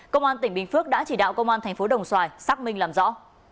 công an tỉnh bình phước đã chỉ đạo công an thành phố đồng xoài xác minh làm rõ